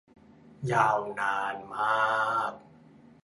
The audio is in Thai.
ยาวนานมาก